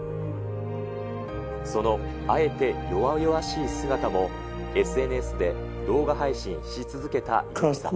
そのあえて弱々しい姿もＳＮＳで動画配信し続けた猪木さん。